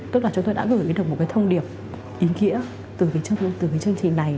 tất cả chúng tôi đã gửi được một cái thông điệp ý nghĩa từ cái chương trình này